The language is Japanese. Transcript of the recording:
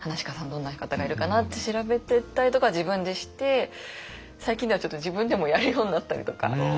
どんな方がいるかなって調べてったりとかは自分でして最近ではちょっと自分でもやるようになったりとか。